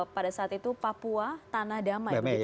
pada saat itu papua tanah damai